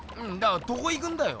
どこ行くんだよ。